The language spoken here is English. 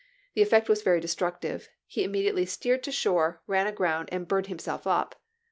The effect was very destructive; he im mediately steered in shore, ran aground, and burnt himself up.